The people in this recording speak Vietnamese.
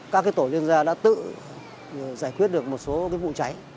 các tổ liên gia đã tự giải quyết được một số vụ cháy